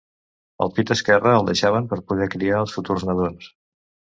El pit esquerre el deixaven per poder criar els futurs nadons.